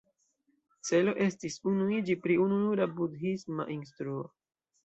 Celo estis unuiĝi pri ununura budhisma instruo.